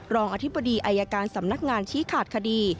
รองอธิบดีอายการสำนักงานชี้ขาดคดี